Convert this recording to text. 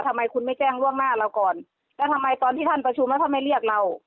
ทำไมคุณไม่แจ้งล่วงหน้าเราก่อนแล้วทำไมตอนที่ท่านประชุมแล้วท่านไม่เรียกเรา